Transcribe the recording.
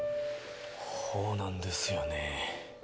ほうなんですよね